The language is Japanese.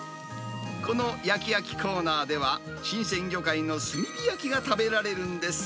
この焼き焼きコーナーでは、新鮮魚介の炭火焼きが食べられるんです。